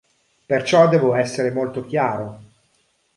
Perciò devo essere molto chiaro.